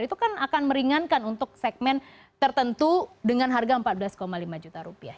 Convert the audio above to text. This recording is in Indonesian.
itu kan akan meringankan untuk segmen tertentu dengan harga empat belas lima juta rupiah